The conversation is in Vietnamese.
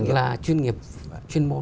là chuyên nghiệp chuyên môn